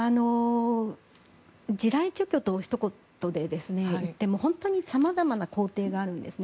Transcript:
地雷除去とひと言で言っても本当に様々な工程があるんですね。